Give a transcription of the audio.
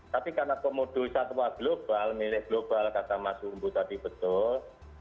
tapi karena komodo satwa global milik global kata mas umbu tadi betul